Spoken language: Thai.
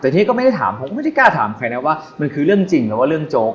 แต่ที่ก็ไม่ได้ถามผมก็ไม่ได้กล้าถามใครนะว่ามันคือเรื่องจริงหรือว่าเรื่องโจ๊ก